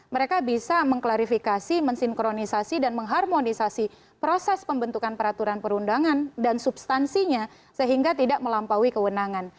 mereka bisa mengklarifikasi mensinkronisasi dan mengharmonisasi proses pembentukan peraturan perundangan dan substansinya sehingga tidak melampaui kewenangan